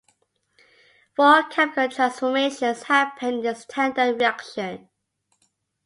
Four chemical transformations happened in this tandem reaction.